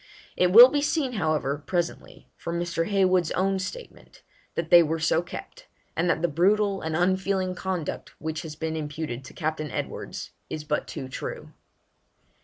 It will be seen, however, presently, from Mr. Heywood's own statement, that they were so kept, and that the brutal and unfeeling conduct which has been imputed to Captain Edwards is but too true.